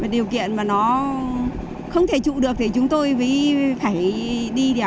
điều kiện mà nó không thể trụ được thì chúng tôi phải đi đi ạ